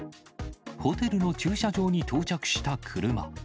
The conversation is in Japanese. ホテルの駐車場に到着した車。